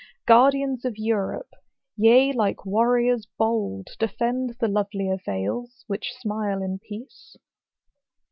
Guardians of Europe! ye, like warriors bold, Defend the lovelier vales, which smile in peace.